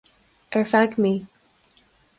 Ar feadh mí